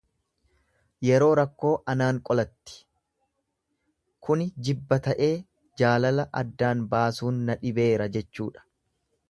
Yeroo rakkoo anaan qolatti, kuni jibba ta'ee jaalala addaan baasuun na dhibeera jechuudha.